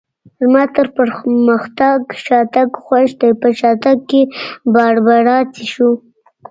زما تر پرمختګ شاتګ خوښ دی، په شاتګ کې باربرا څښو.